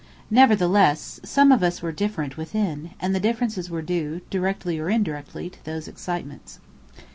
Nevertheless, some of us were different within, and the differences were due, directly or indirectly, to those excitements.